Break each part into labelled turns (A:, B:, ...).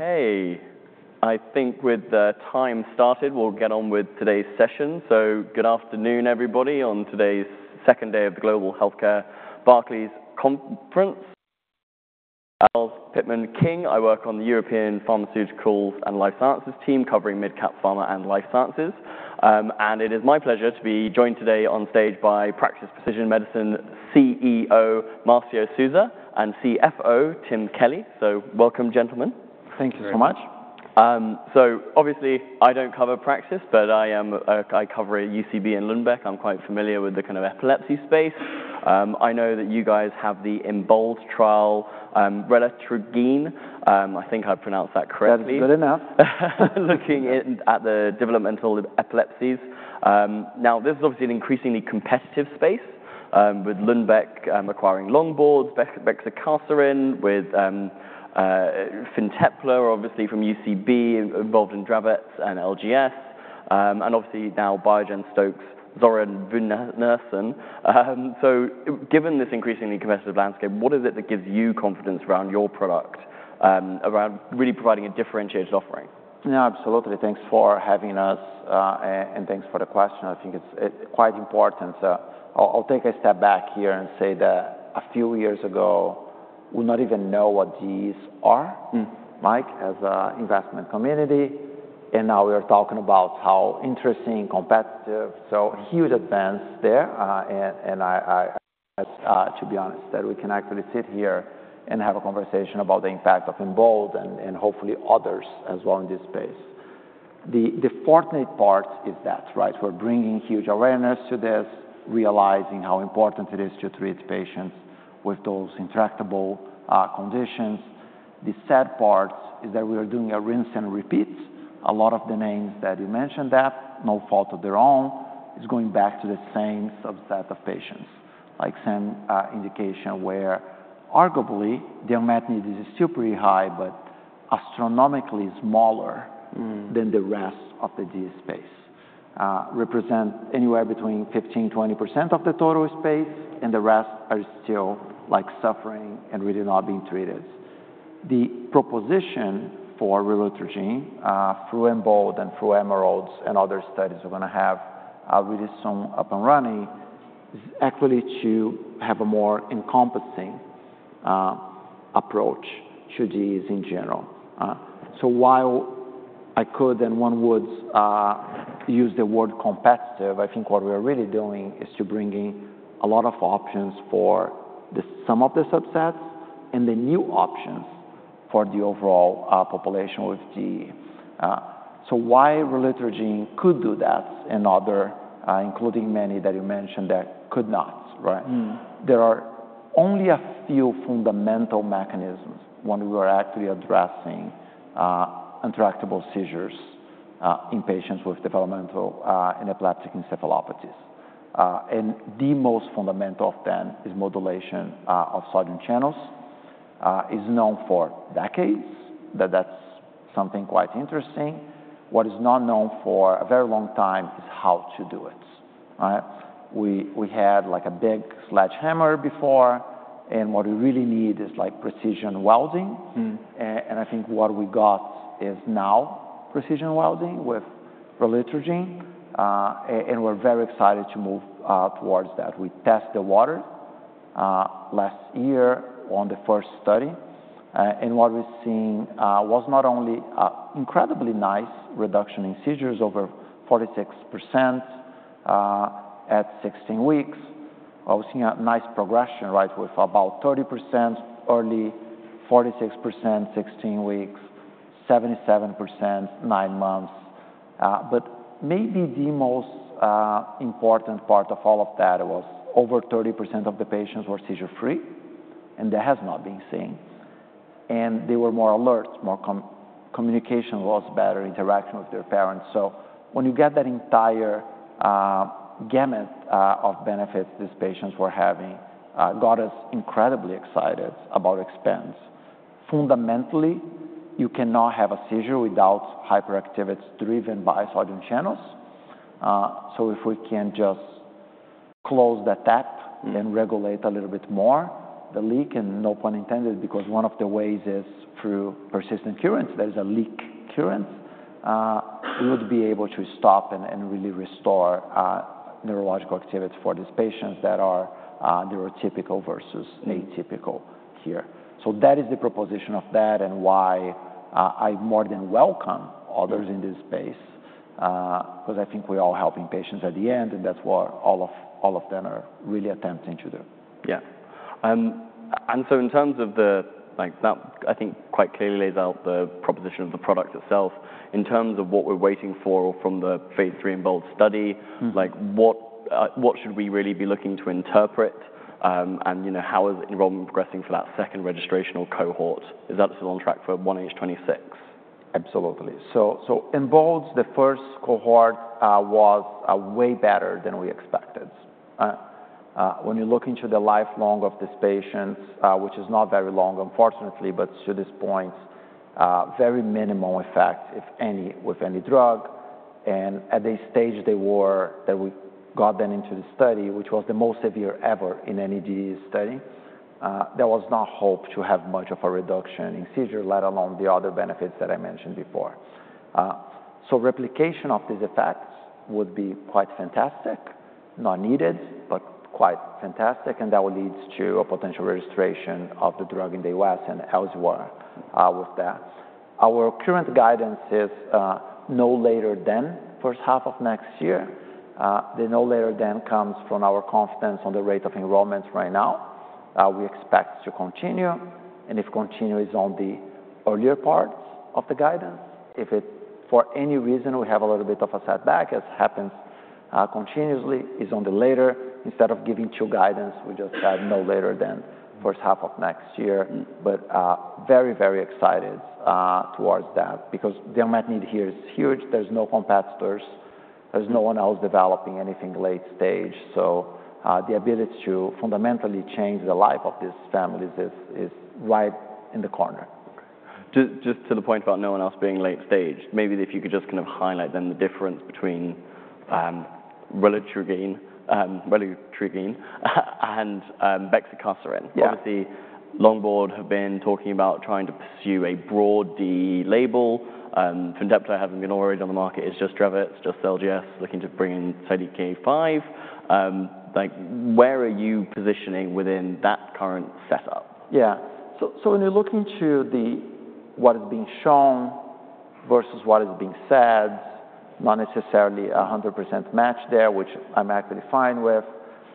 A: Okay, I think with the time started, we'll get on with today's session. Good afternoon, everybody, on today's second day of the Global Healthcare Barclays Conference. I'm Charles Pitman-King. I work on the European Pharmaceuticals and Life Sciences team covering mid-cap pharma and life sciences. It is my pleasure to be joined today on stage by Praxis Precision Medicines CEO, Marcio Souza, and CFO, Tim Kelly. Welcome, gentlemen.
B: Thank you so much.
A: Obviously, I don't cover Praxis, but I cover UCB and Lundbeck. I'm quite familiar with the kind of epilepsy space. I know that you guys have the EMBOLD trial, relutrigine. I think I pronounced that correctly.
B: That's good enough.
A: Looking at the developmental epilepsies. Now, this is obviously an increasingly competitive space, with Lundbeck acquiring Longboard, bexicaserin, with Fintepla, obviously from UCB, involved in Dravet syndrome and LGS. Obviously now Biogen, Stoke, Zogenix, fenfluramine. Given this increasingly competitive landscape, what is it that gives you confidence around your product, around really providing a differentiated offering?
B: Yeah, absolutely. Thanks for having us, and thanks for the question. I think it's quite important. I'll take a step back here and say that a few years ago, we did not even know what these are, Mike, as an investment community. Now we are talking about how interesting, competitive. Huge advance there. I'm glad, to be honest, that we can actually sit here and have a conversation about the impact of EMBOLD and hopefully others as well in this space. The fortunate part is that, right? We're bringing huge awareness to this, realizing how important it is to treat patients with those intractable conditions. The sad part is that we are doing a rinse and repeat. A lot of the names that you mentioned, that no fault of their own, is going back to the same subset of patients, like some indication where arguably their met need is still pretty high, but astronomically smaller than the rest of the DEE space. Represent anywhere between 15%-20% of the total space, and the rest are still like suffering and really not being treated. The proposition for relutrigine, through EMBOLD and through EMERALD's and other studies, we're going to have really soon up and running, is actually to have a more encompassing approach to these in general. While I could and one would use the word competitive, I think what we are really doing is to bring in a lot of options for some of the subsets and the new options for the overall population with DEE. Why relutrigine could do that and others, including many that you mentioned, could not, right? There are only a few fundamental mechanisms when we were actually addressing intractable seizures in patients with developmental and epileptic encephalopathies. The most fundamental of them is modulation of sodium channels. It's known for decades that that's something quite interesting. What is not known for a very long time is how to do it, right? We had like a big sledgehammer before, and what we really need is like precision welding. I think what we got is now precision welding with relutrigine. We're very excited to move towards that. We tested the water last year on the first study. What we've seen was not only an incredibly nice reduction in seizures, over 46% at 16 weeks. I was seeing a nice progression, right, with about 30% early, 46% 16 weeks, 77% nine months. Maybe the most important part of all of that was over 30% of the patients were seizure-free, and that has not been seen. They were more alert, more communication was better, interacting with their parents. When you get that entire gamut of benefits these patients were having, got us incredibly excited about expense. Fundamentally, you cannot have a seizure without hyperactivity driven by sodium channels. If we can just close that tap and regulate a little bit more the leak, and no pun intended, because one of the ways is through persistent currents that is a leak current, we would be able to stop and really restore neurological activity for these patients that are neurotypical versus atypical here. That is the proposition of that and why I more than welcome others in this space, because I think we are all helping patients at the end, and that's what all of them are really attempting to do.
A: Yeah. In terms of the, I think quite clearly lays out the proposition of the product itself, in terms of what we're waiting for from the phase III EMBOLD study, what should we really be looking to interpret? How is enrollment progressing for that second registrational cohort? Is that still on track for 1H 2026?
B: Absolutely. EMBOLD, the first cohort was way better than we expected. When you look into the lifelong of this patient, which is not very long, unfortunately, but to this point, very minimal effect, if any, with any drug. At the stage they were that we got them into the study, which was the most severe ever in any DEE study, there was no hope to have much of a reduction in seizure, let alone the other benefits that I mentioned before. Replication of these effects would be quite fantastic, not needed, but quite fantastic. That will lead to a potential registration of the drug in the U.S. and elsewhere with that. Our current guidance is no later than first half of next year. The no later than comes from our confidence on the rate of enrollments right now. We expect to continue. If continue is on the earlier parts of the guidance, if it for any reason we have a little bit of a setback, as happens continuously, is on the later. Instead of giving two guidance, we just have no later than first half of next year. Very, very excited towards that, because their met need here is huge. There's no competitors. There's no one else developing anything late stage. The ability to fundamentally change the life of these families is right in the corner.
A: Just to the point about no one else being late stage, maybe if you could just kind of highlight then the difference between relutrigine and bexicaserin. Obviously, Longboard have been talking about trying to pursue a broad DEE label. Fintepla having been already on the market. It is just Dravet, just LGS looking to bring in KCNT1. Where are you positioning within that current setup?
B: Yeah. When you're looking to what is being shown versus what is being said, not necessarily 100% match there, which I'm actually fine with.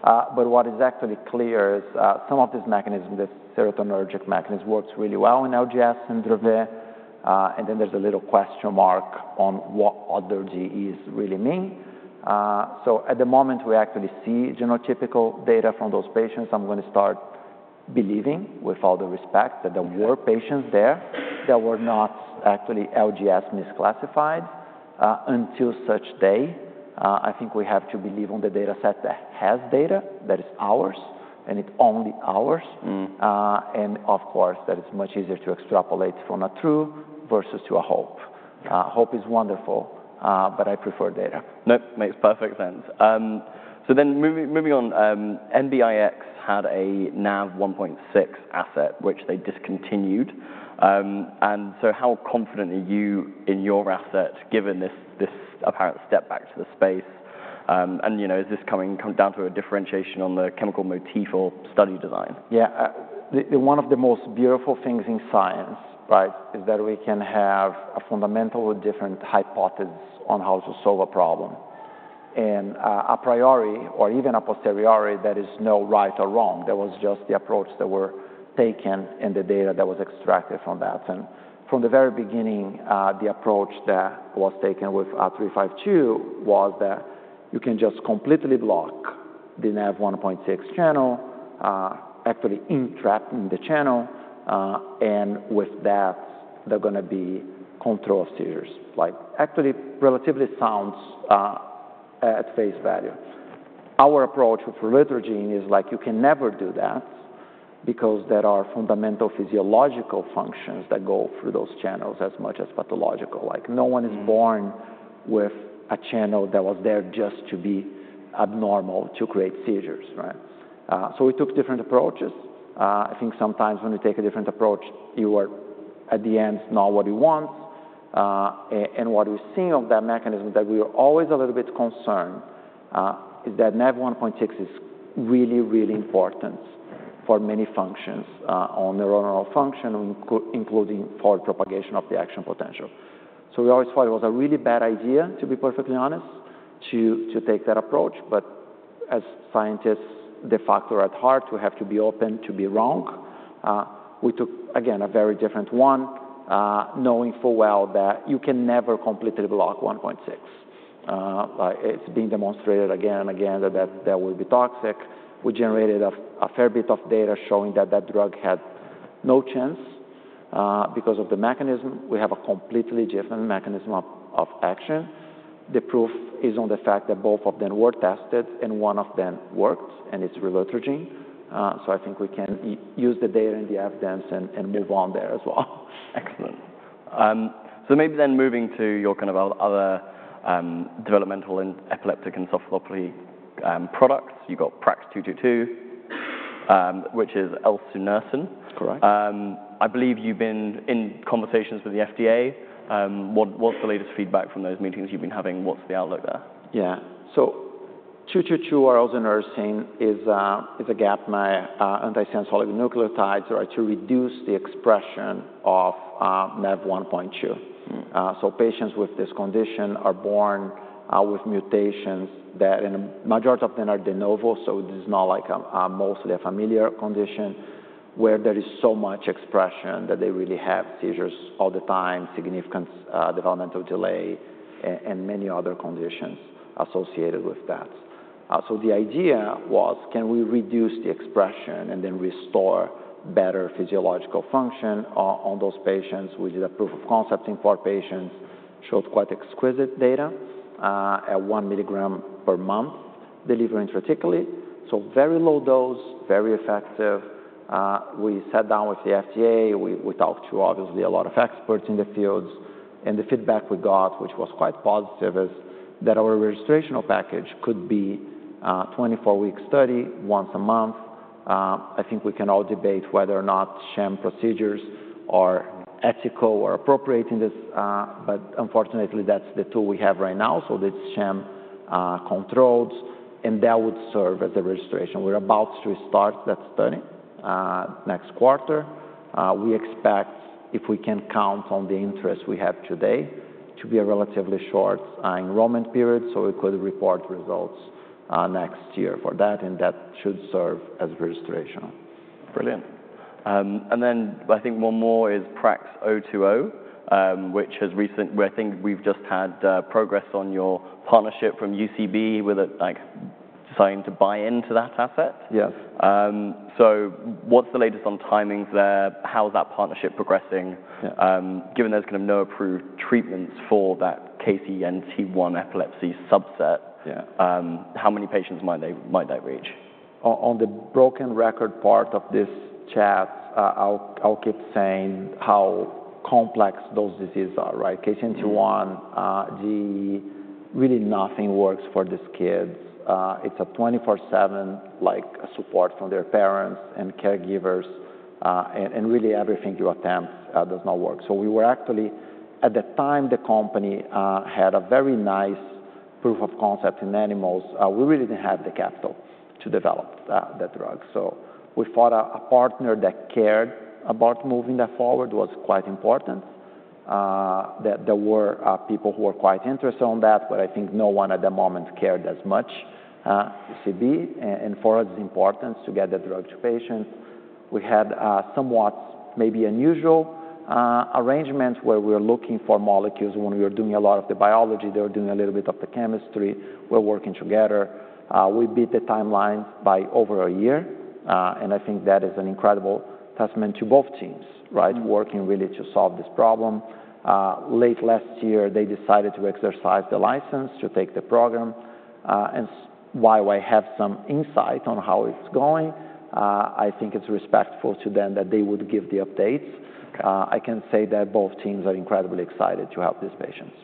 B: What is actually clear is some of these mechanisms, this serotonergic mechanism works really well in LGS and Dravet. Then there's a little question mark on what other DEEs really mean. At the moment, we actually see genotypical data from those patients. I'm going to start believing, with all the respect, that there were patients there that were not actually LGS misclassified until such day. I think we have to believe on the data set that has data, that is ours, and it's only ours. Of course, it's much easier to extrapolate from a true versus to a hope. Hope is wonderful, but I prefer data.
A: That makes perfect sense. Then moving on, NBIX had a NaV1.6 asset, which they discontinued. How confident are you in your asset given this apparent step back to the space? Is this coming down to a differentiation on the chemical motif or study design?
B: Yeah. One of the most beautiful things in science, right, is that we can have a fundamentally different hypothesis on how to solve a problem. A priori, or even a posteriori, there is no right or wrong. There was just the approach that was taken and the data that was extracted from that. From the very beginning, the approach that was taken with 352 was that you can just completely block the NaV1.6 channel, actually entrap in the channel. With that, there are going to be control of seizures, like actually relatively sound at face value. Our approach with relutrigine is like you can never do that, because there are fundamental physiological functions that go through those channels as much as pathological. Like no one is born with a channel that was there just to be abnormal to create seizures, right? We took different approaches. I think sometimes when you take a different approach, you are at the end not what you want. What we're seeing of that mechanism that we are always a little bit concerned is that NaV1.6 is really, really important for many functions on neuronal function, including forward propagation of the action potential. We always thought it was a really bad idea, to be perfectly honest, to take that approach. As scientists de facto at heart, we have to be open to be wrong. We took, again, a very different one, knowing full well that you can never completely block 1.6. It's being demonstrated again and again that that would be toxic. We generated a fair bit of data showing that that drug had no chance because of the mechanism. We have a completely different mechanism of action. The proof is on the fact that both of them were tested and one of them worked, and it's relutrigine. I think we can use the data and the evidence and move on there as well.
A: Excellent. Maybe then moving to your kind of other developmental and epileptic encephalopathy products. You've got PRAX-222, which is Elsunersen.
B: Correct.
A: I believe you've been in conversations with the FDA. What's the latest feedback from those meetings you've been having? What's the outlook there?
B: Yeah. So 222 or Elsunersen is a gapmer antisense oligonucleotide, right, to reduce the expression of NaV1.2. So patients with this condition are born with mutations that in the majority of them are de novo. This is not like mostly a familial condition where there is so much expression that they really have seizures all the time, significant developmental delay, and many other conditions associated with that. The idea was, can we reduce the expression and then restore better physiological function on those patients? We did a proof of concept in four patients, showed quite exquisite data at one milligram per month delivery intrathecally. Very low dose, very effective. We sat down with the FDA. We talked to obviously a lot of experts in the fields. The feedback we got, which was quite positive, is that our registrational package could be a 24-week study once a month. I think we can all debate whether or not sham procedures are ethical or appropriate in this. Unfortunately, that's the tool we have right now. It is sham controlled. That would serve as a registration. We're about to start that study next quarter. We expect, if we can count on the interest we have today, to be a relatively short enrollment period. We could report results next year for that, and that should serve as registration.
A: Brilliant. I think one more is PRAX-020, which has recent, I think we've just had progress on your partnership from UCB with deciding to buy into that asset.
B: Yes.
A: What's the latest on timings there? How's that partnership progressing? Given there's kind of no approved treatments for that KCNT1 epilepsy subset, how many patients might that reach?
B: On the broken record part of this chat, I'll keep saying how complex those diseases are, right? KCNT1, DEE, really nothing works for these kids. It's a 24/7 support from their parents and caregivers. Really everything you attempt does not work. We were actually, at the time the company had a very nice proof of concept in animals, we really didn't have the capital to develop that drug. We thought a partner that cared about moving that forward was quite important. There were people who were quite interested on that, but I think no one at the moment cared as much as UCB. For us, it's important to get the drug to patients. We had somewhat maybe unusual arrangements where we were looking for molecules. When we were doing a lot of the biology, they were doing a little bit of the chemistry. We're working together. We beat the timelines by over a year. I think that is an incredible testament to both teams, right, working really to solve this problem. Late last year, they decided to exercise the license to take the program. While I have some insight on how it's going, I think it's respectful to them that they would give the updates. I can say that both teams are incredibly excited to help these patients.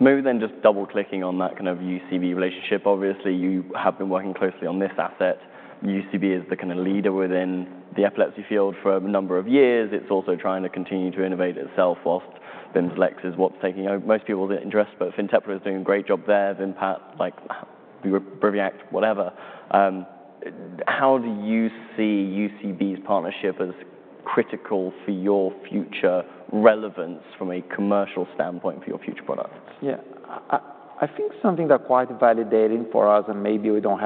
A: Maybe then just double clicking on that kind of UCB relationship. Obviously, you have been working closely on this asset. UCB is the kind of leader within the epilepsy field for a number of years. It's also trying to continue to innovate itself whilst Vimpat is what's taking most people's interest. But Fintepla is doing a great job there. Vimpat, Briviact, whatever. How do you see UCB's partnership as critical for your future relevance from a commercial standpoint for your future products?
B: Yeah. I think something that's quite validating for us, and maybe we don't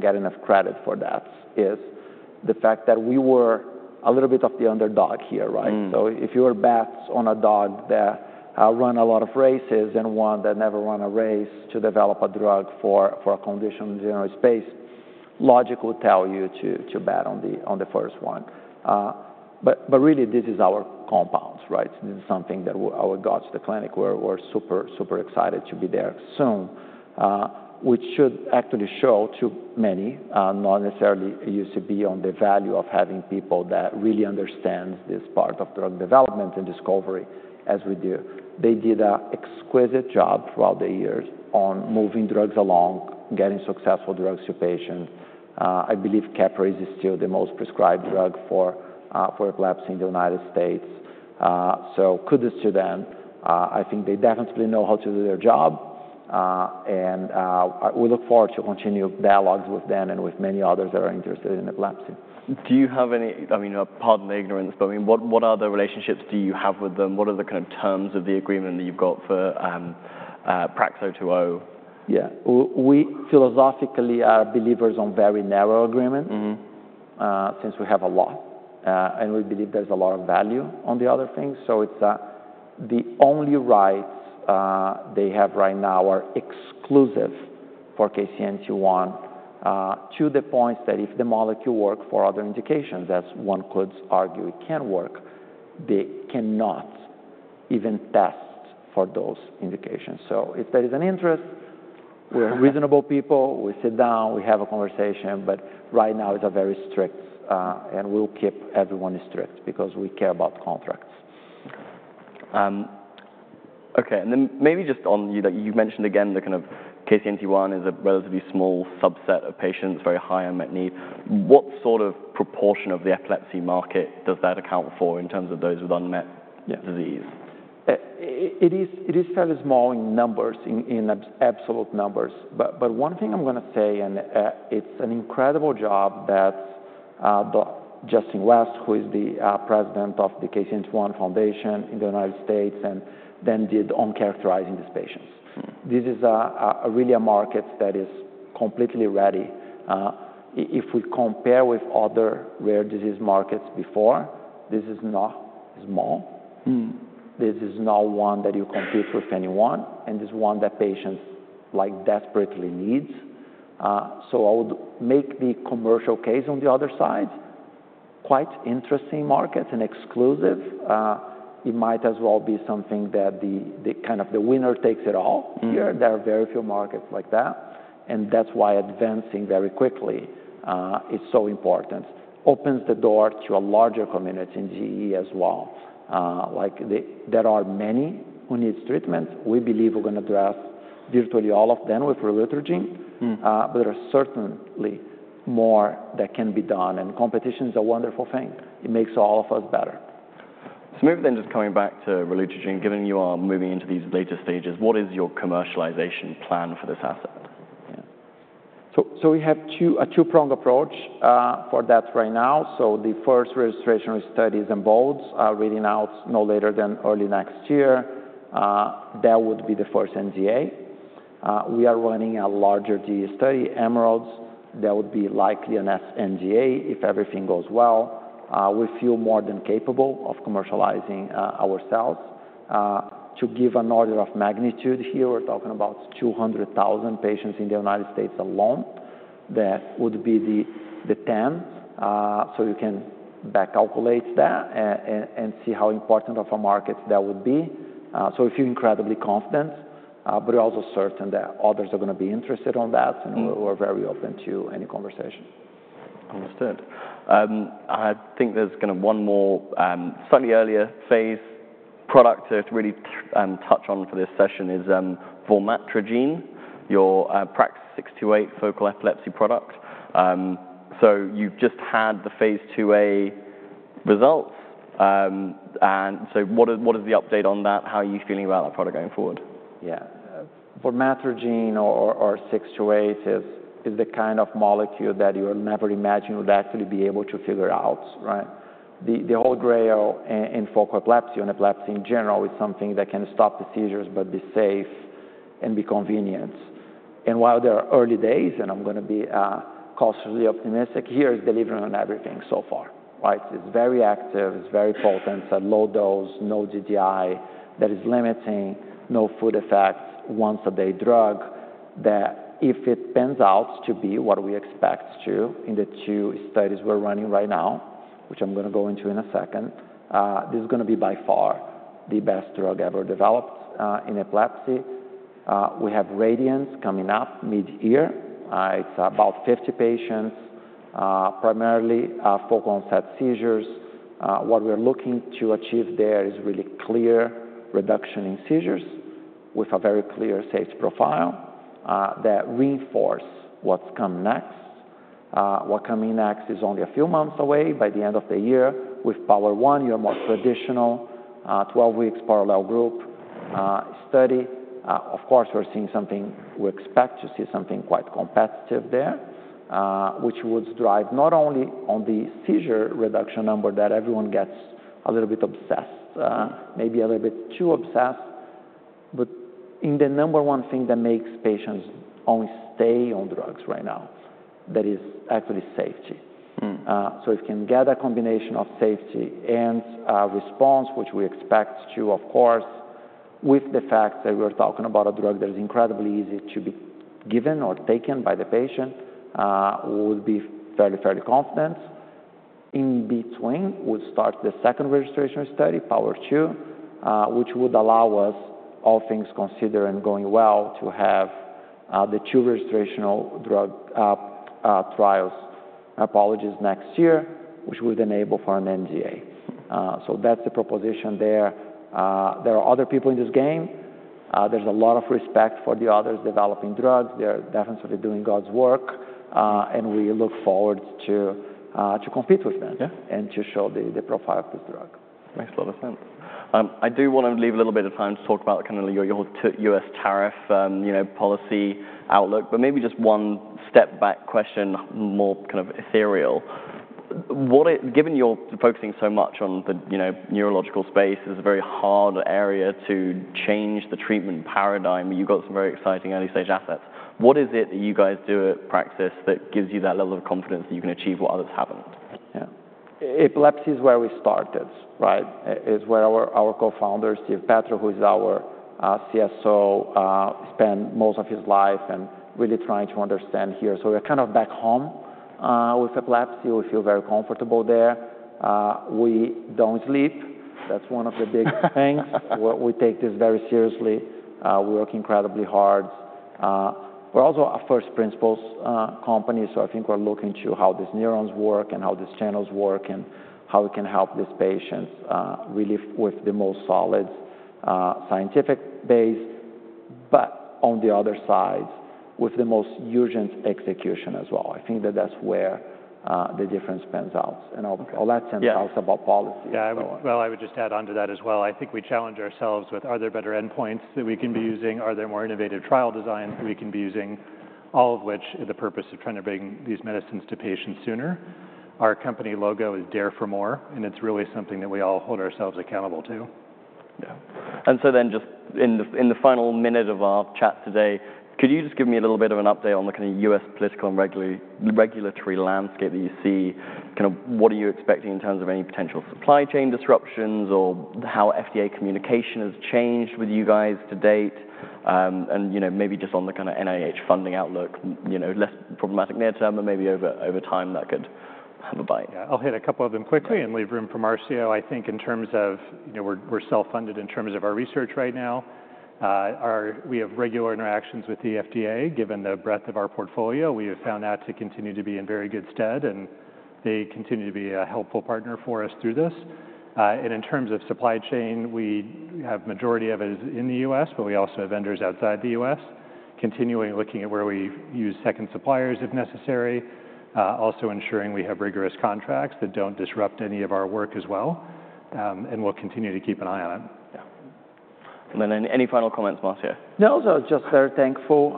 B: get enough credit for that, is the fact that we were a little bit of the underdog here, right? If you were bets on a dog that ran a lot of races and one that never ran a race to develop a drug for a condition in the general space, logic would tell you to bet on the first one. Really, this is our compounds, right? This is something that our gods at the clinic were super, super excited to be there soon, which should actually show to many, not necessarily UCB, on the value of having people that really understand this part of drug development and discovery as we do. They did an exquisite job throughout the years on moving drugs along, getting successful drugs to patients. I believe Keppra is still the most prescribed drug for epilepsy in the United States. Kudos to them. I think they definitely know how to do their job. We look forward to continue dialogues with them and with many others that are interested in epilepsy.
A: Do you have any, I mean, pardon the ignorance, but I mean, what other relationships do you have with them? What are the kind of terms of the agreement that you've got forPRAX-020?
B: Yeah. We philosophically are believers on very narrow agreement since we have a lot. We believe there's a lot of value on the other things. The only rights they have right now are exclusive for KCNT1 to the point that if the molecule works for other indications, as one could argue it can work, they cannot even test for those indications. If there is an interest, we're reasonable people. We sit down. We have a conversation. Right now, it's very strict. We'll keep everyone strict because we care about contracts.
A: Okay. Maybe just on you mentioned again the kind of KCNT1 is a relatively small subset of patients, very high unmet need. What sort of proportion of the epilepsy market does that account for in terms of those with unmet disease?
B: It is fairly small in numbers, in absolute numbers. One thing I'm going to say, and it's an incredible job that Justin West, who is the President of the KCNT1 Foundation in the United States, did on characterizing these patients. This is really a market that is completely ready. If we compare with other rare disease markets before, this is not small. This is not one that you compete with anyone. This is one that patients desperately need. I would make the commercial case on the other side quite interesting markets and exclusive. It might as well be something that the kind of the winner takes it all here. There are very few markets like that. That is why advancing very quickly is so important. Opens the door to a larger community in GE as well. Like there are many who need treatment. We believe we're going to address virtually all of them with relutrigine. There are certainly more that can be done. Competition is a wonderful thing. It makes all of us better.
A: Maybe then just coming back to relutrigine, given you are moving into these later stages, what is your commercialization plan for this asset?
B: Yeah. We have a two-prong approach for that right now. The first registration studies in EMBOLD are reading out no later than early next year. That would be the first NDA. We are running a larger DEE study, Emeralds. That would be likely an NDA if everything goes well. We feel more than capable of commercializing ourselves. To give an order of magnitude here, we're talking about 200,000 patients in the United States alone. That would be the 10th. You can back calculate that and see how important of a market that would be. I feel incredibly confident, but we're also certain that others are going to be interested on that. We're very open to any conversation.
A: Understood. I think there's kind of one more slightly earlier phase product to really touch on for this session is vormatrigine, your PRAX-628 focal epilepsy product. You just had the phase II-A results. What is the update on that? How are you feeling about that product going forward?
B: Yeah. Vormatrigine or 628 is the kind of molecule that you would never imagine you would actually be able to figure out, right? The whole grail in focal epilepsy and epilepsy in general is something that can stop the seizures but be safe and be convenient. While there are early days, and I'm going to be cautiously optimistic, here is delivering on everything so far, right? It's very active. It's very potent. It's a low dose, no DDI that is limiting, no food effects, once-a-day drug that if it pans out to be what we expect to in the two studies we're running right now, which I'm going to go into in a second, this is going to be by far the best drug ever developed in epilepsy. We have RADIANT coming up mid-year. It's about 50 patients, primarily focal onset seizures. What we're looking to achieve there is really clear reduction in seizures with a very clear safety profile that reinforces what's come next. What's coming next is only a few months away by the end of the year. With POWER1, you have more traditional 12-week parallel group study. Of course, we're seeing something we expect to see something quite competitive there, which would drive not only on the seizure reduction number that everyone gets a little bit obsessed, maybe a little bit too obsessed, but in the number one thing that makes patients only stay on drugs right now, that is actually safety. If you can get a combination of safety and response, which we expect to, of course, with the fact that we're talking about a drug that is incredibly easy to be given or taken by the patient, we would be fairly, fairly confident. In between, we'll start the second registration study, POWER2, which would allow us, all things considered and going well, to have the two registrational drug trials, apologies, next year, which would enable for an NDA. That's the proposition there. There are other people in this game. There's a lot of respect for the others developing drugs. They're definitely doing God's work. We look forward to compete with them and to show the profile of this drug.
A: Makes a lot of sense. I do want to leave a little bit of time to talk about kind of your U.S. tariff policy outlook. Maybe just one step back question, more kind of ethereal. Given you're focusing so much on the neurological space, it's a very hard area to change the treatment paradigm. You've got some very exciting early-stage assets. What is it that you guys do at Praxis that gives you that level of confidence that you can achieve what others haven't?
B: Yeah. Epilepsy is where we started, right? It's where our co-founder, Steve Petrou, who is our CSO, spent most of his life and really trying to understand here. We are kind of back home with epilepsy. We feel very comfortable there. We don't sleep. That's one of the big things. We take this very seriously. We work incredibly hard. We are also a first principles company. I think we are looking to how these neurons work and how these channels work and how we can help these patients really with the most solid scientific base, but on the other side, with the most urgent execution as well. I think that is where the difference pans out. All that pans out about policy.
C: Yeah. I would just add on to that as well. I think we challenge ourselves with, are there better endpoints that we can be using? Are there more innovative trial designs that we can be using, all of which the purpose of trying to bring these medicines to patients sooner? Our company logo is Dare for More. It is really something that we all hold ourselves accountable to.
A: Yeah. In the final minute of our chat today, could you just give me a little bit of an update on the kind of U.S. political and regulatory landscape that you see? Kind of what are you expecting in terms of any potential supply chain disruptions or how FDA communication has changed with you guys to date? Maybe just on the kind of NIH funding outlook, less problematic near term, but maybe over time that could have a bite.
C: Yeah. I'll hit a couple of them quickly and leave room for Marcio. I think in terms of we're self-funded in terms of our research right now. We have regular interactions with the FDA given the breadth of our portfolio. We have found that to continue to be in very good stead. They continue to be a helpful partner for us through this. In terms of supply chain, the majority of it is in the U.S., but we also have vendors outside the U.S., continually looking at where we use second suppliers if necessary, also ensuring we have rigorous contracts that do not disrupt any of our work as well. We will continue to keep an eye on it.
A: Yeah. Any final comments, Marcio?
B: No, just very thankful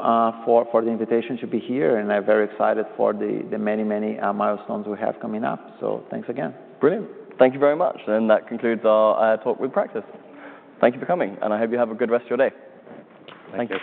B: for the invitation to be here. I'm very excited for the many, many milestones we have coming up. Thanks again.
A: Brilliant. Thank you very much. That concludes our talk with Praxis. Thank you for coming. I hope you have a good rest of your day.
B: Thank you.